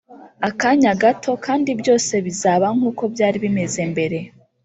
akanya gato kandi byose bizaba nkuko byari bimeze mbere.